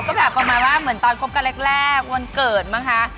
ก็แผ่นประมาณว่าเหมือนตอนรักได้กันแรกวันเกิดบ้างนะฮะ